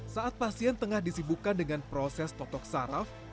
saat pasien tengah disibukan dengan proses potok saraf